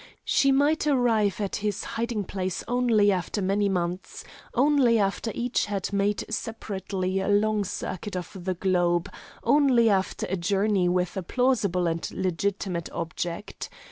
She might arrive at his hiding place only after many months, only after each had made separately a long circuit of the globe, only after a journey with a plausible and legitimate object.